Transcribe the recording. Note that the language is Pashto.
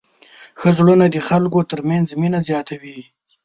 ښه زړونه د خلکو تر منځ مینه زیاتوي.